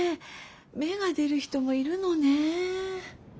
芽が出る人もいるのね。